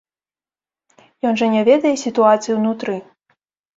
Ён жа не ведае сітуацыі ўнутры.